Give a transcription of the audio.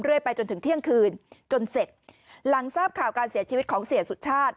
ไปจนถึงเที่ยงคืนจนเสร็จหลังทราบข่าวการเสียชีวิตของเสียสุชาติ